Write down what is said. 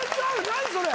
何それ！